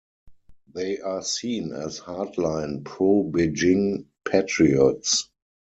They are seen as hard-line pro-Beijing patriots.